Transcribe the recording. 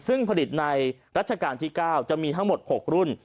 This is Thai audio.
ซึ่งผลิตในรัชกาลที่๙จะมีทั้งหมด๖รุ่น